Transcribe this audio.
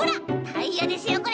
タイヤですよこれ！